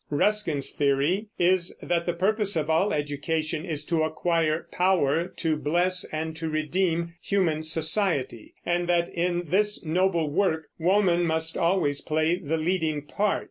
Ruskin's theory is that the purpose of all education is to acquire power to bless and to redeem human society; and that in this noble work woman must always play the leading part.